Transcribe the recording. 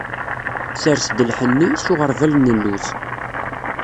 Sers-d lḥenni, s uɣerbal n lluz.